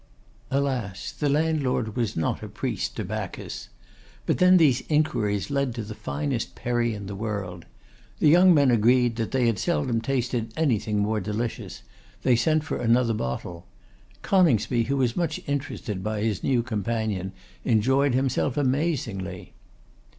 Alas! the landlord was not a priest to Bacchus. But then these inquiries led to the finest perry in the world. The young men agreed they had seldom tasted anything more delicious; they sent for another bottle. Coningsby, who was much interested by his new companion, enjoyed himself amazingly.